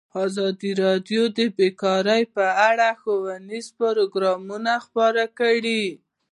ازادي راډیو د بیکاري په اړه ښوونیز پروګرامونه خپاره کړي.